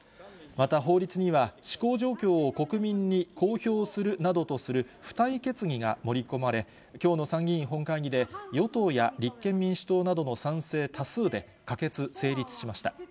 また、法律には、施行状況を国民に公表するなどとする、付帯決議が盛り込まれ、きょうの参議院本会議で、与党や立憲民主党などの賛成多数で、可決・成立しました。